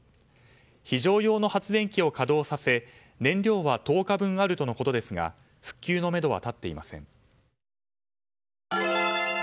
非常用の発電機を稼働させ燃料は１０日分あるとのことですが復旧のめどは立っていません。